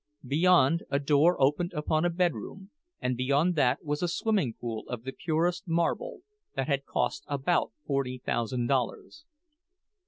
Beyond, a door opened upon a bedroom, and beyond that was a swimming pool of the purest marble, that had cost about forty thousand dollars.